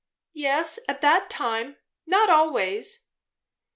"Yes, at that time; not always."